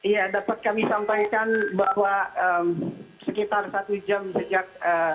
ya dapat kami sampaikan bahwa sekitar satu jam sejak